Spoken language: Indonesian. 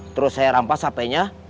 terus saya rampas hp nya